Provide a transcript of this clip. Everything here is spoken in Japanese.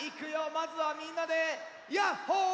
まずはみんなでヤッホー！